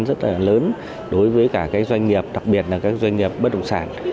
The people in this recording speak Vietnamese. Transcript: đây là một trong những khó khăn rất là lớn đối với cả các doanh nghiệp đặc biệt là các doanh nghiệp bất động sản